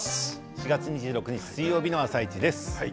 ４月２６日水曜日の「あさイチ」です。